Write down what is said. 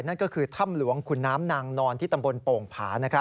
นั่นก็คือถ้ำหลวงขุนน้ำนางนอนที่ตำบลโป่งผา